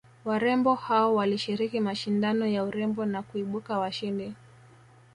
warembo hao walishiriki mashindano ya urembo na kuibuka washindi